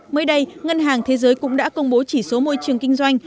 hôm nay ngân hàng thế giới cũng đã công bố chỉ số môi trường kinh doanh